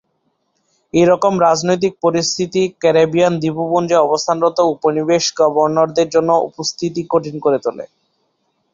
এইরকম রাজনৈতিক পরিস্থিতি, ক্যারেবীয় দ্বীপপুঞ্জে অবস্থানরত উপনিবেশ গভর্নরদের জন্য পরিস্থিতি কঠিন করে তোলে।